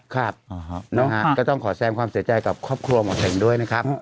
ครับนะฮะก็ต้องขอแซมความเสียใจกับครอบครัวหมอเข็งด้วยนะครับ